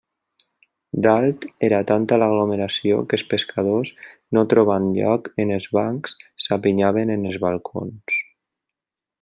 Dalt era tanta l'aglomeració, que els pescadors, no trobant lloc en els bancs, s'apinyaven en els balcons.